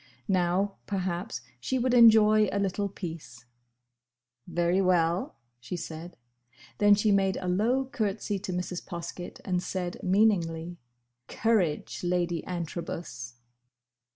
Now, perhaps, she would enjoy a little peace. "Very well," she said. Then she made a low curtsey to Mrs. Poskett, and said, meaningly, "Courage—Lady Antrobus!"